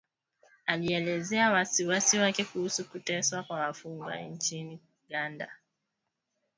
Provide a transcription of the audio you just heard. alielezea wasiwasi wake kuhusu kuteswa kwa wafungwa nchini Uganda